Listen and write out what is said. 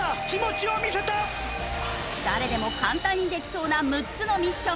誰でも簡単にできそうな６つのミッション。